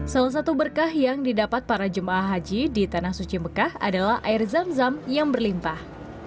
salah satu berkah yang didapat para jemaah haji di tanah suci mekah adalah air zam zam yang berlimpah